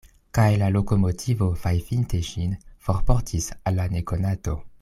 Kaj la lokomotivo fajfinte ŝin forportis al la nekonato.